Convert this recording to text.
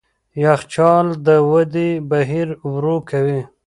یخچال د ودې بهیر ورو کوي.